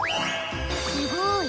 すごい！